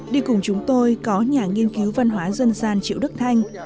đi cùng chúng tôi có nhà nghiên cứu văn hóa dân gian triệu đức thanh